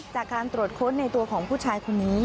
จากการตรวจค้นในตัวของผู้ชายคนนี้